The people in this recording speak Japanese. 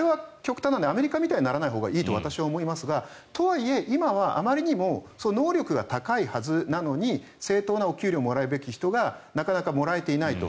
ですから、あれは極端な例でアメリカみたいにならないほうがいいと思いますがとはいえ今はあまりにも能力が高いはずなのに正当なお給料をもらうべき人がなかなかもらえていないと。